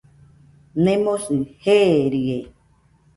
Nemosɨ jeerie.